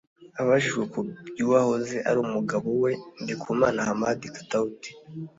Abajijwe ku by’uwahoze ari umugabo we Ndikumana Hamad Katauti